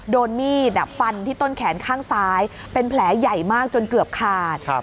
โดนมีดฟันที่ต้นแขนข้างซ้ายเป็นแผลใหญ่มากจนเกือบขาด